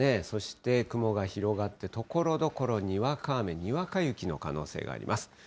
そして雲が広がって、ところどころにわか雨、にわか雪の可能性があります。